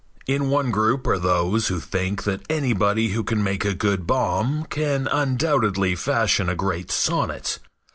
In one group are those who think that anybody who can make a good bomb can undoubtedly fashion a great sonnet.